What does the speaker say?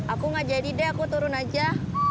aku gak jadi deh aku turun aja